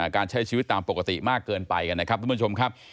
การใช้ชีวิตตามปกติมากเกินไปกันนะครับทุกผู้ชมครับ